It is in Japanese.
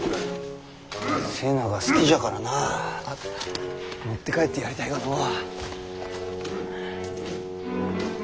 瀬名が好きじゃからなあ持って帰ってやりたいがのう。